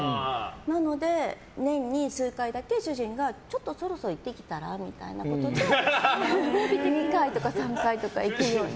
なので、年に数回だけ主人がちょっとそろそろ行ってきたらみたいなことで２回とか３回とか行ったり。